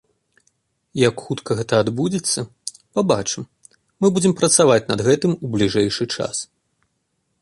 Як хутка гэта адбудзецца, пабачым, мы будзем працаваць над гэтым у бліжэйшы час.